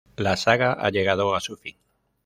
La saga ha llegado a su fin.